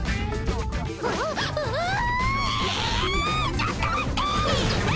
ちょっと待って！